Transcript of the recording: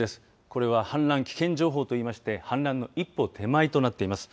これは氾濫危険情報といいまして氾濫の一歩手前となっています。